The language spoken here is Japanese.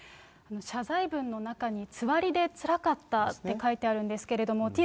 謝罪文の中に、つわりでつらかったって書いてあるんですけれども、てぃ